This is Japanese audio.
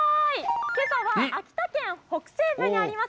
けさは秋田県北西部にあります